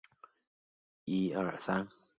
高水寺斯波氏当主。